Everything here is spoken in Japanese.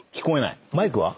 マイクは？